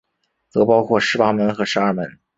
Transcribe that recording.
则包括十八门和十二门。